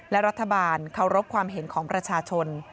และรัฐบาลเคารพความเห็นของประชาชน